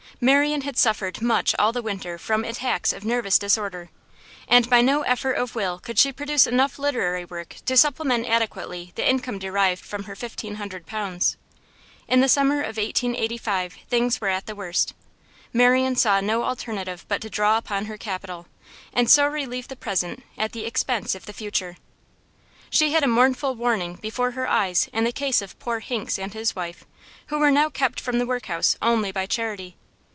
Marian had suffered much all the winter from attacks of nervous disorder, and by no effort of will could she produce enough literary work to supplement adequately the income derived from her fifteen hundred pounds. In the summer of 1885 things were at the worst; Marian saw no alternative but to draw upon her capital, and so relieve the present at the expense of the future. She had a mournful warning before her eyes in the case of poor Hinks and his wife, who were now kept from the workhouse only by charity.